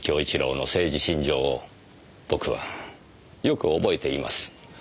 良の政治信条を僕はよく覚えています。